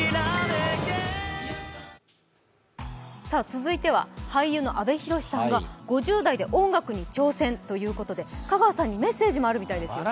続いては俳優の阿部寛さんが５０代で音楽に挑戦ということで香川さんにメッセージもあるみたいですよ。